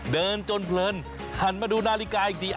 เดินจนเพลินหันมาดูนาฬิกาอีกที